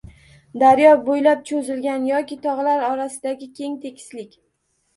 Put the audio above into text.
Daryo boʻylab choʻzilgan yoki togʻlar orasidagi keng tekislik